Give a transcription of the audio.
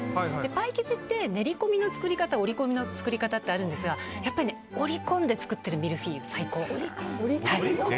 パイ生地って練り込みの作り方織り込みの作り方あるんですが織り込んで作ってるミルフィーユ最高なんです。